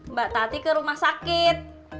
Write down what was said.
mbak tati ke rumah sakit